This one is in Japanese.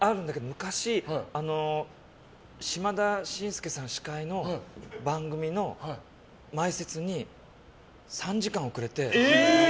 昔、島田紳助さん司会の番組の前説に３時間遅れて。